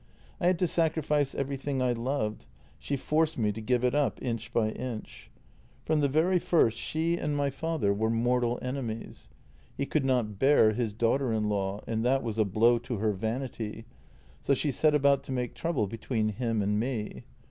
" I had to sacrifice everything I loved; she forced me to give it up inch by inch. From the very first she and my father were JENNY 158 mortal enemies. He could not bear his daughter in law, and that was a blow to her vanity, so she set about to make trouble between him and me.